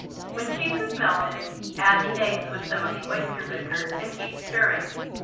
When cheese is melted add the eggs with some of the oyster liquor and keep stirring.